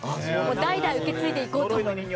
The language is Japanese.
代々受け継いでいこうと思います。